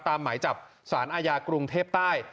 หมายจับสารอาญากรุงเทพใต้